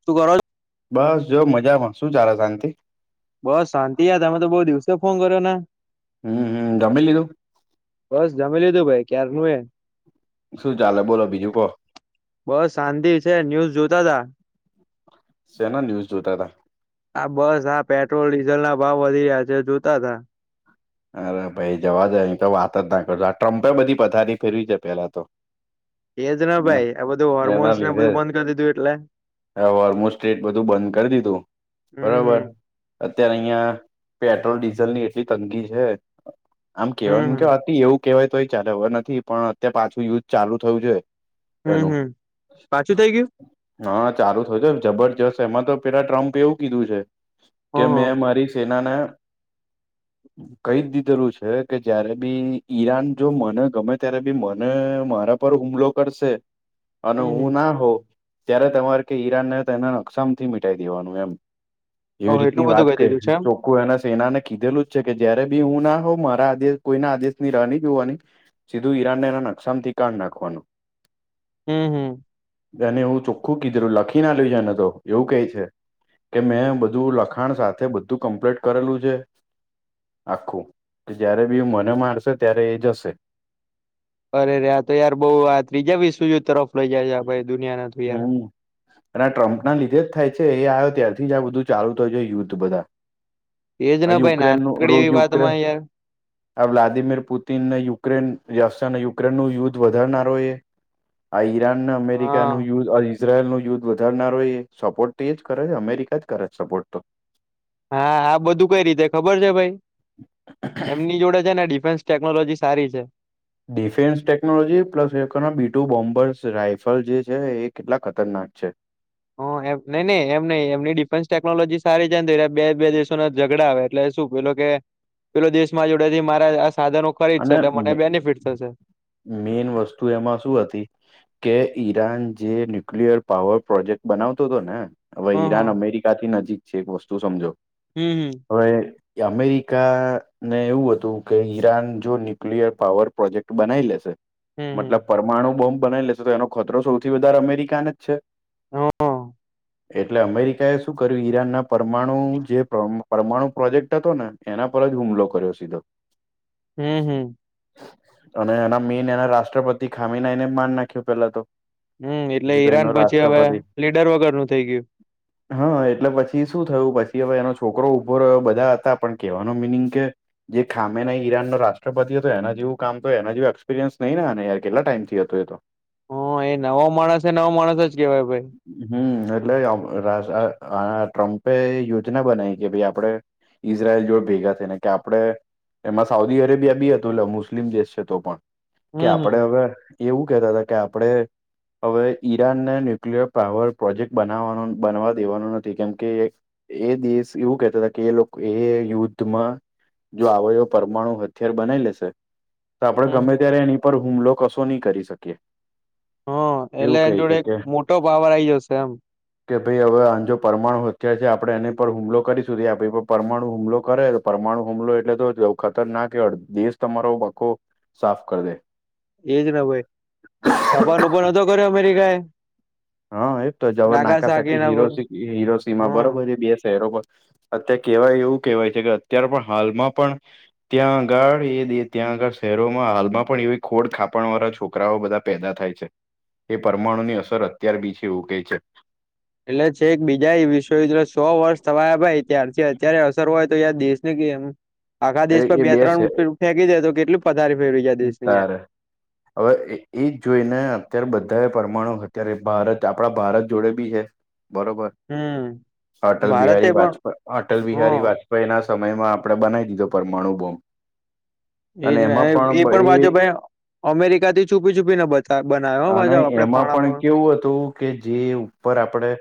[inaudible] બસ જો મજામાં શું ચાલે શાંતિ બસ શાંતિ યા તમે તો બો દિવસે ફોન કર્યો ને હમ હમ જમી લીધું બસ જમી લીધું ભાઈ ક્યાર નું એ શું ચાલે બોલો બીજું કોહો બસ શાંતિ છે ન્યુઝ જોતા તા સેના ન્યુઝ જોતા હતા આ બસ આ પેટ્રોલ ડીઝલ ના ભાવ વધી રહ્યા છે જોતા તા અરે ભાઈ જવા દે અઈ તો વાત જ ના કરજો આ ટ્રમ્પે બધી પથારી ફેરવી છે પેલા તો એજ ના એના ભાઈ આ બધું હોર્મોન્સ ને બધું બંધ કરી દીધું એટલે ઓલમોસ્ટ સ્રેટ બધું બંધ કરી દીધું હમ હમ બરાબર અત્યારે અહિયાં પેટ્રોલ ડીઝલની એટલી તંગી છે આમ કેવાય હમ હમ કેવાયતિ એવું કેહેવાય તો ચાલેર નથી પણ અત્યારે પાછું યુઝ ચાલુ થયું છે હમ એનું હમ પાછું થઇ ગયું હા ચાલુ થઉ જબરજસ્ત એમાં તો પેલા ટ્રમ્પે એવું કીધું છે હ કે હ મેં મારી સેનાને કહી દીધેલું છે કે જય્યારે બી ઈરાન જો મને ગમે ત્યારે બી મને મારા પર હુમલો કરસે અને હમ હમ હું ના હો ત્યારે તમારે કે ઈરાન ને તેના નકસા થી મિટાઈ દેવાનું એમ એવી ઓહ એટલું રીતની બધું વાત કરી ક દીધું છે એમ ચોખુ એના સેનાને કીધેલું જ છે કે જયારે બી હું ના હોઉ મારા આદેશ કોઈ ના આદેશ ની રની જોવાની સીધું ઈરાનને એના નકશામાથી કાન નાખવાનું હમ હમ જેને હું ચો ખું કીધરું લખીને લઈજા ને તો એવું કેય છે કે મેં બધું લખાણ સાથે બધું કમ્પ્લીટ કરેલું છે આખું કે જયારે બી મને મારશે ત્યારે એ જશે અરેરે આ તો યાર બઉ આ ત્રીજા વિશ્વ તરફ લઈ જાય છે ભાઈ દુનિયાના યાર હમ અને આ ટ્રમ્પના લીધે જ થાય છે એ આવ્યો ત્યારથી જ આ બધું ચાલુ થયાય યુદ્ધ બધા એજ ને આ ભાઈ યુક્રેનનું રો નાનકડી એવી યુક્રેન વાતમાં યાર આ વ્લાદિમીર પુતિન ને યુક્રેન રશિયાને યુક્રેન ન યુદ્ધ વધારનારો એ આ ઈરાન હા અમેરિકાનું યુ ઈઝરાયલ નું યુદ્ધ વધારનારરો એ સપોર્ટ તો એ જ કરે છે અમેરિકા જ કરે છે સપોર્ટ તો હા આ બધું કઈ રીતે ખબર છે ભાઈ એમની જોડે છે ને ડિફેન્સ ટેકનોલોજી સારી છે ડિફેન્સ ટેકનોલોજી પ્લસ એ બી ટુ બોમ્બર્સ રાાયફલ જે છે એ કેટલા ખતરનાક છે હ એમ નઈ નઈ એમહઈ એમની ડિફેન્સ ટેકનોલોજી સારી છે બે દેશો ના ઝઘડા આવે એટલે શું પેલો કે પેલો દેશમાં જોડે થી મારા આ સાધનો ખરીદશે એટલે મને બેનિફિટ થશે મેઈન વસ્તુ એમાં શું હતી કે ઈરાન જે ન્યુક્લિયર પાવર પ્રોજેક્ટ બનાવતો હતો ને હવે હ હ ઈરાન અમેરિકાથી નજીક છે એક વસ્તુ સમજો હમ હમ હવે અમેરિકાને એવું હતું કે ઈરાન જો ન્યુક્લિયર પાવર પ્રોજેક્ટ બનાવી લેશે હમ મતલબ પરમાણુ બોમ્બ બનાઈ લેશે તો એનો ખતરો સૌથી વધારે અમેરિકાને જ છે હ હમ એટલે અમેરિકા એ શું કર્યું ઈરાનના પરમાણુ જે પરમાણુ પ્રોજેક્ટ હતો ને એના પર જ હુમલો કર્યો સીધો હમ હમ અને એના મેન એના રાષ્ટ્રપતિ ખામીના એને માન નાખ્યો પેલા તો હમ એટલે જે તો એનો ઈરાન પછી હવે રાષ્ટ્રપતિ લીડર વગર નું થઈ ગયું હા એટલે પછી શું થયું પછી હવે એનો છોકરો ઉઊભો રહ્યો બધા હતા પણ કેવાનો મીનિંગ કે જે ખામે ન ઈરાન નો રાષ્ટ્ર રાપતિએ તો એના જેવું કામ તો એના જેવું એક્સપિરિયસ નં ને કેટલા ટાઈમથી હતો તો હમ એ નવો માણસ એ નવો માણસ જ કેવાય ભાઈ હમ એટલે ટ્રમ્પે યોજના બનાવી કે ભાઈ આપડે ઈઝરાયલ જોડે ભેગા થઈને કે આપણે એમાં સાઉદી અરેબિયા બી હતું એટલે મુસ્લિમ દેશ છે તો પણ કે હમ હમ આપડે હવે એવું કેતા હતા કે આપડે હવે ઈરાનને ન્યુક્લિયર પાવર પ્રોજેક્ટ બનાવવાનો બનવા દેવાનો નથી કેમકે એક એ દેશ એવું કેતા હતા કે એ લોકો એ યુદ્ધમાં જો આવે એ પરમાણુ હતું અર બનાવી લેશે તો આપણેે હમ ગમે ત્યારે એની પર હુમલો કશો નહી કરી શકીએ હ એવું એટલે એ કહે જોડે છે એક કે મોટો પાવર આ આવી જશે એમ કે ભાઈ હવે આ જો પરમાણુ હથિયાર છે આપડણે એની પર હુમલો કરી સુધી આપે પરમાણુ હુમલો કરે પરમાણુ હુમલો એટલે તો ખાતર ના કે દેશ તમારો પાખો સાફ કરી દે એજ ના ભાઈ જાપાન ઉપરતો કર્યો અમેરિકા એ હા એ તો જવાર નાગાસાકી નાકાસાાકી એના હીરો પર હિરોસીમા હમ બરોબર એ બે શહેરો પર અત્યારે કેવાય એવું કહેવાય છે કે અત્યારે પણ હાલમાં પણ ત્યાં આગળ એ દ ત્યાં આગળ શહેરોમાં હાલમાં પણ એવી ખોડ ખાપણ વાળા છોકરાઓ બધા પેદા થાય છે એ પરમાણુ ની અસર અત્યાર બીજી એવું કહે છે એટલે છે એક બીજા વિશ્વયુદ્ધ સો વર્ષ થવાયા ભાઈ ત્યારથી અત્યારે અસર હોય તો યાર દેશ ને કે એમ આખા એ દેશમાં એ બે ત્રણ ફેંકી દેય તો કેટલી પથારી ફરી જાય દેશની યાર ત્યારે હવે એ જ જોઈને અત્યારે બધા પરમાણુ અત્યારે ભારત આપણા ભારત જોડે બી છે બરોબર હમ અટલ ભારતે બિહારી પણ વાજપેય અટલ હ બિહારી વાજપેયી ના સમયમાં આપડણે બનાવી દીધો પરમાણુ બોમ્બ અને એજ એમાં એ બ પણ ભાજપ અમેરિકા થી છુપી છુપી ના બધ અને એમાં પણ કેવું હતું કે જે ઉપર આપડે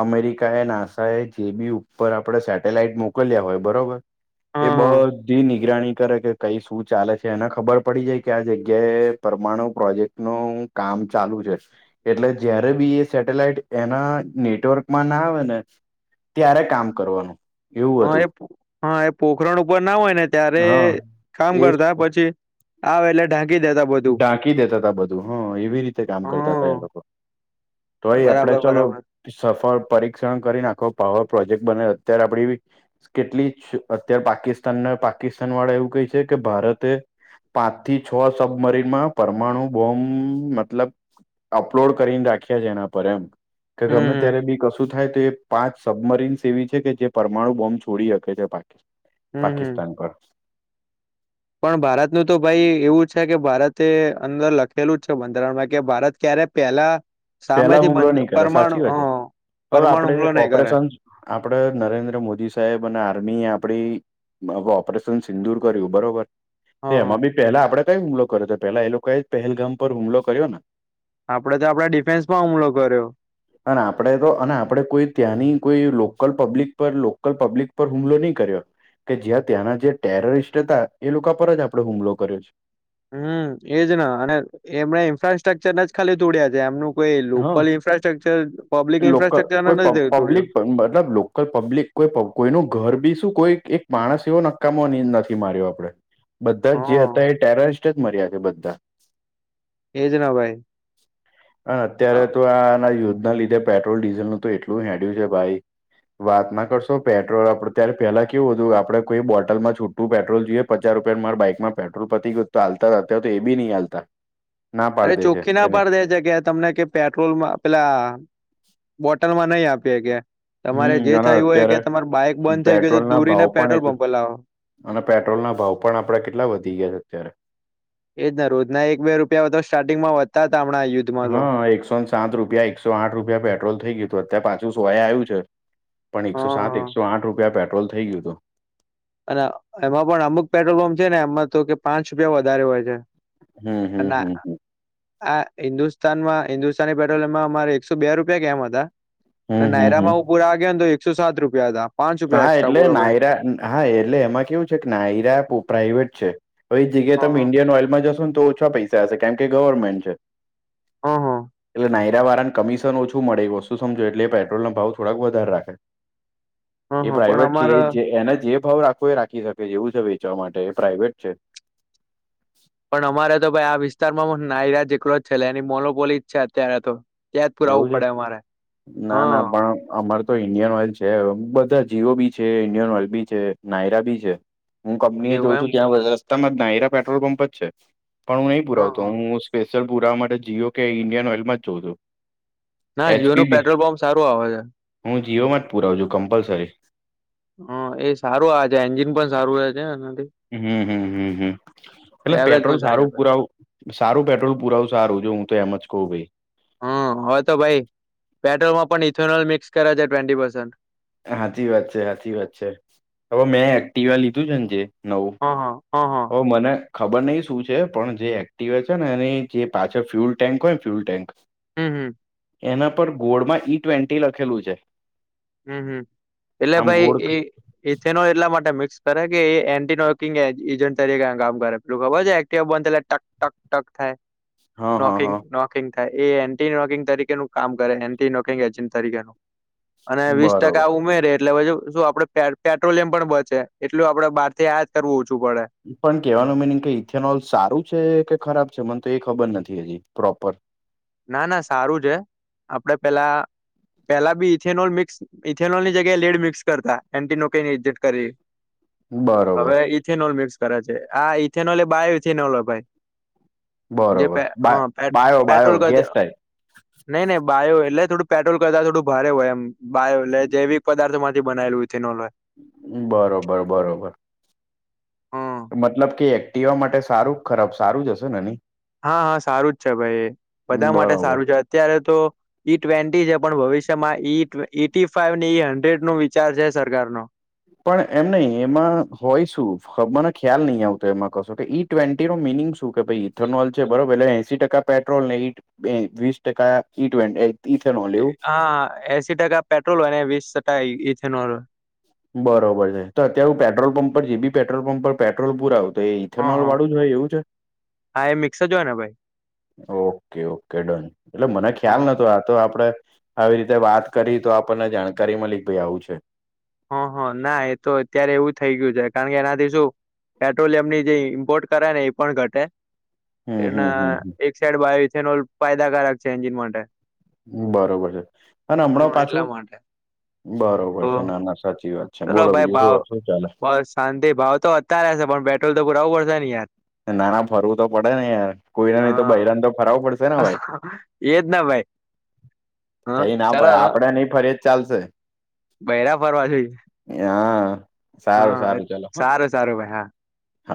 અમેરિકા એ નાસા એ જે બી ઉપર આપણે સેટેલાઈટ મોકલ્યા હોય બરોબર એ હા બ નિગરાની કરે કે કઈ શું ચાલે છે એને ખબર પડી જાય કે આ જગ્યાએ પરમાણુ પ્રોજેક્ટ ન કામ ચાલુ છે. એટલે જયારે બી એ સેટેલાઈટ એના નેટવર્કમાં ના આવે ને ત્યારે કામ કરવાનું એવું હા એ હતું હા એ પોખરણ ઉપર ના હોય ને ત્યારે હા કામ એ કરતા પછી આ વહેલા ા ઢાંકી દેતા તા બધું હા એવી રીતે કામ કરતા હતા હમ એ લોકો તોય આપડે બરાબર ચાલો બરાબર સફળ પરીક્ષણ કરીને આખો પાવર પ્રોજેક્ટ બને અત્યારે આપડી કેટલી અત્યારે પાકિસ્તાનના પાકિસ્તાન વાળા એવું કહે છે કે ભારતે પાંચ થી છ સબમરીનમાં પરમાણુ બોમ્બ મતલબ અપલોડ કરીને રાખ્યા છે એના પર એમ કે હમ ગમે હમ ત્યારે બી કશું થાય તો એ પાંચ સબમરીન્સ એવી છે કે જે પરમાણુ બોમ્બ છોડી શકે છે પાકિસ્તાન હમ હમ પાકિસ્તાન પર પણ ભારતનું તો ભાઈ એવું છે કે ભારતે અંદર લખેલું જ છે બંધારણમાં કે ભારત ક્યારે પહેલા પેલા સામેથી હુમલો બંધ નહી કરે પરમાણુ સાચી વા હ છે હવે પરમાણુ આપણે હુમલો નહી કરે ઓપરેશન આપડ નરેન્દ્ર મોદી સાહેબ અને આર્મી આપડી ઓપરેશન સિંદુર કર્યું બરોબર હ તો એમાં બી પેલા આપડે કઈ હુમલો કર્યો હતો પેલા એ લોકોએ પહેલગામ પર હુમલો કર્યો ને આપડે તો આપડ ડિફેન્સમાં હુમલો કર્યો અને આપણે તો અને આપણેે કોઈ ત્યાંની કોઈ લોકલ પબ્લિક પર લોકલ પબ્લિક પર હુમલો નહી કર્યો કે જ્યાં ત્યાંના જે ટેરરિસ્ટ હતા એ લોકો પર જ આપડે હુમલો કર્યો છે. હમ એજ ના અને એમના ઇન્ફ્રાસ્ટ્રક્ચર ના જ ખાલી તોોડયા છે એમનું કોઈ લોકલ ઇન્ફ્રાસ સ્ટ્રક્ચર લોલ કોઈ પબ્લિક મતલબ કોઈ પબ્લિક કોઈ કોઈનું ઘર બી શું કોઈ એક માણસ એવો નક્કામોનીંદ નથી માર્યો આપડે બધા જ જે હા હતા એ ટેરરિસ્ટ જ મર્યા છે બધા એજ ન ભાઈ અ અત્યારે તો આના યુદ્ધના લીધે પેટ્રોલ ડીઝલનું તો એટલું હેંડ્યું છે ભાઈ વાત ના કરશો પેટ્રોલ આપડે ત્યારે પેલા કેવું હતું આપડે કોઈ બોટલ માં છૂટ તુ પેટ્રોલ જોઈએ પચાર રૂપિયા મારા બાઈકમાં પેટ્રોલ પતી ગય તો હાલતા જ હતા તો એ બીહી ચાલતા અરે ચોખ્ખ ના પાડ દે જગ્યાએ તમને કે પેટ્રોલ પેલા બોટલમાં નહી આપીએ કે તમારે હમ જે અને થયું હોય અત્યારે કે તમાર બાઈક બંધ થઇ ગય તો પેટ્રોલ ના ભાવ દૂરીના પણ પેટ્રોલ એટલા પં્પો લાવો અને પેટ્રોલના ભાવ પણ આપડે કેટલા વધી ગયા છે અત્યારે એજ ના રોજના એક બે રૂપિયા તો સ્ટાર્ટિંગમાં આપણા હા એકસોને સાત રૂપિયા એકસો આઠ રૂપિયા પેટ્રોલ થઈ ગયું હતું અત્યારે પાછું સોય આવ્યું છે. પણ એકસો સાત એકસો આઠ રૂપિયા પેટ્રોલ થઈ ગયું હતું. અને એમાં પણ અમુક પેટ્રોલ પં્પ છે ને એમાં તો કે પાંચ રૂપિયા વધારે હોય છે. હમ હમ હમ આા હિન્દુસ્તાનમાં હિન્દુસ્તાની પે્રોલિયમમાં અમારે એકસો બે રૂપિયા કેમ હતા. હમ હમ હમ નાયરામાં હું પૂરા ગયાને તો એકસો સાત રૂપિયા હતા. પાંચ રૂપિયા હા એક્સ્ટ્રા એટલે બોલો ભાઈ નાયરા હા એટલે એમાં કેવું છે કે નાયરા પ્રાાઈવેટ છે. હવે એ હ હ જગ્યાએ તમે ઈન્ડિયન ઓઇલમાં જશો ને તો ઓછા પૈસા હશે કેમ કે ગવર્મેન્ટ છે. હ હ એટલે નાયરા વાળાને કમિશન ઓછું મળે એ વસ્તુ સમજો એટલે પેટ્રોલ ના ભાવ થોડાક વધારે રાખે હ એ હ પણ પ્રાઈવેટ છે અમારે એ જે એને જે ભાવ રાખવો એ રાખી શકે જેવું છે વેચવા માટે એ પ્રાઇવેટ છે. પણ અમારે તો ભાઈ આ વિસ્તારમાં પણ નાઈરા એકલો જ છે એની મોનોબોલી જ છે. અત્યારે તો ત્યાં જ પુરાવું એવું છે? પડે અમારે ના હા ના, પણ અમારે તો ઈન્ડિયન ઓઇલ છે, બધા જીઓ બી છે, ઈન્ડિયન ઓઇલ બી છે, નાયરા બી છે. હું કંપની એ એવું જોઉં એમ છું, ત્યાં રસ્તામાં જ નાયરા પેટ્રોલ પંપ જ છે. પણ હું નહીં હા પુરાવતો. હા. હું સ્પેશિલ પુરાવા માટે જીઓ કે ઈન્ડિયન ઓઈલમાં જ જોઉં છું. ના એચપી જીઓનું બી પેટ્રોલ પંપ સારું આવે છે. હું જીઓમાં જ પુરાવું છું, કમ્પલસરી. હા, એ સારું આ છે. એન્જિન પણ સારું રહે છે, એનાથી હમ, હમ, હમ, હમ, એટલે એવરેજ પેટ્રોલ પણ સારી સારું આપે છે પુરાવું સારું પેટ્રોલ પુરાવું સારું જો હું તો એમ જ કહું ભાઈ. હમ, હવે તો ભાઈ પેટ્રોલમાં પણ ઇથોનોલ મિક્સ કરે છે. ટ્વેન્ટી પસે સાાચી વાત છે, સાચી વાત છે. હવે મેં એક્ટિવા લીધું છે ને જે નવું હા, હા. હા ઓ મને ખબર નહીં શું છે? પણ જે એક્ટવે છે ને એની જે પાછળ ફ્યુલ ટેન્ક હોયને, ફ્યુલ ટેન્ક હમ, હમ. એના પર ગોળમાં ઈ ટ્વેન્ટી લખેલું છે. હમ હમ, એટલે આમ ગોળ ભાઈએ ઇથેનોલ એટલા માટે મિક્સ કરે કે એ એન્ટિનોકિંગ એજન્ટ તરીકે કામ કરે પેલું ખબર છે? એક્ટ બંધ ટક ટક ટક થાય. હા હા નોંકીગ હા ન થાય. એ એન્ટી નોકિંગ તરીકેનું કામ કરે એન્ટી નોકિંગ એજન્ટ તરીકેનું અને વીસ બરોબર ટકા ઉમેરે, એટલે પછી શું? આપડે પેટ્રોલિયમ પણ બચે. એટલું આપડે બારથી આયાત કરવું ઓછું પડે. પણ કેહેવાનું મિનિંગ કે ઇથેનોલ સારું છે કે ખરાબ છે મને તો એ ખબર નથી, હજી પ્રોપર. ના ના સારું છે. આપડે પેલા પહેલા બી ઇથેનોલ મિક્સ, ઇથેનોલની જઞ્યાએ લીડ મિક્સ કરતા. એનટીનોની કરી બરોબર હવે ઇથેનોલ મિક્સ કરે છે. આ ઇથેનોલ એ બાયો ઇથેનોલ હો ભાઈ. બરોબર બા બાયો [unintelligible] બાયો ગેસ ટાઈપ નહીં નહીં બાયો એટલે થોડું પેટ્રોલ કરતા થોડું ભારે હોય એમ. બાયો એટલે જેવી પદાર્થમાંથી બનાવેલું ઇથેનોલ હોય. બરોબર બરોબર. હમ મતલબ કે એક પીવા માટે સારું, ખરાબ, સારું જ હશે ને નની હા હા સારું જ છે ભાઈ નહી બધા માટે બરોબર સારું છે. અત્યારે તો ઈ ટ્વેન્ટી છે, પણ ભવિષ્ય તેમાં એટ, એટી ફાઈવ ડે, હન્ડ્રેડનો વિચાર છે સરકારનો. પણ એમ નહી, એમાં હોય શું? મને ખ્યાલ નહી આવતો એમાં કશો. ટ્વેન્ટીનુ મિનિંગ શું કે ભાઈ? ઇથેનોલ છે બરોબર. એટલે એંસી ટકા પેટ્રોલને એ વીસ ટકા ઈ ટ્વેન્ટ હા, એસી ટકા પેટ્રોલ અને વીસ ટકા ઇથેનોલ. બરોબર છે, તો અત્યાર પેટ્રોલપંપ પર જી પેટ્રોલ પંપ પર પેટ્રોલ પુરાવું. તો એ હા ઇથેનોલ હા વાળું જ હોય એવું છે. હા, એ મિક્સર જોયને ભાઈ. ઓકે. Okay, done. એટલે મને ખ્યાલ હા નતો આ તો આપડે આવી રીતે વાત કરી તો આપણને જાણકારી મલી કે ભાઈ આવું છે. હ હ. ના, એ તો અત્યારે એવું થઈ ગયું છે, કારણ કે એનાથી શું પેટ્રોલિયમની જે ઇમ્પોર્ટ કરે ને એ પણ ઘટે. હમ હમ એના હમ હમ. એક સાઇડ બાયોથેનોલ ફાયદાકારક છે, એન્જિન માટે. બરોબર છે અને હા હમણાં એટલા પાછું, માટે બરોબર તો છે. ના ના સાચી વાત. અચ્છા. ચલો બોલો ભાઈ બીજુ ભાવ કો શું ચાલે? બસ શાંતિ. ભાવ તો વધતા રહેશે, પેટ્રોલ તો પુરાવું પડશે ને યાર. ના ફરવું તો પડે ને યાર, કોઈને નહી તો હા બહેરાને તો ફરવું પડશે ને ભાઈ. એજ ના ભાઈ હ તઈ ના ચાલો પડે આપડે નહી ફરી જ ચાલશે બૈરા ફરવા જોઈ હા હ સારું સારું ચલો હા સારું સારું ભાઈ હા હ